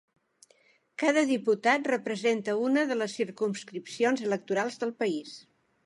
Cada diputat representa una de les circumscripcions electorals del país.